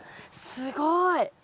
すごい。